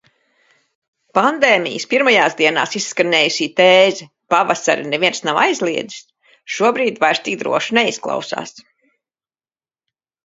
Pandēmijas pirmajās dienās izskanējusī tēze "Pavasari neviens nav aizliedzis!" šobrīd vairs tik droši neizklausās...